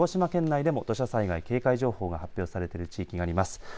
また鹿児島県内でも土砂災害警戒情報が発表されている地域があります。